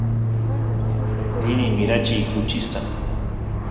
rini mirachiy kuchista